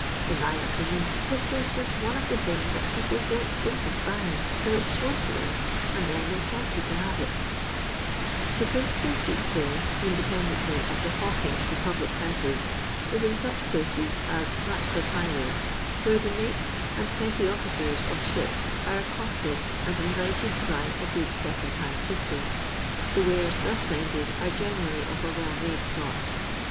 In my opinion, a pistol 's just one of the things that people don't think of buying, 'til it 's shown to them, and then they 're temptod to have iu" The principal street*sale, independently of the hawking to public houses, is in such places as Bat cUile highway, where the mates and petty officers of ships are accosted and invited to buy a good second hand pistoL The wares thus vended are goaerally of a well made sort.